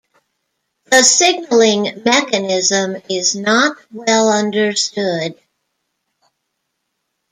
The signaling mechanism is not well understood.